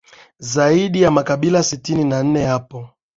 zaidi ya makabila sitini na nne yapo